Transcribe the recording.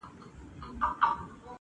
• په ښرا لکه کونډیاني هر ماخستن یو -